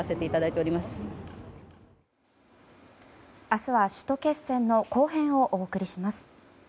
明日は首都決戦の後編をお送りします。